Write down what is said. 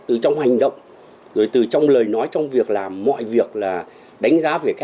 từ trong hành động rồi từ trong lời nói trong việc làm mọi việc là đánh giá về cái